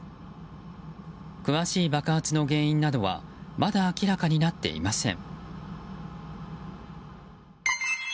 詳しい爆発の原因などはまだ明らかになっていません。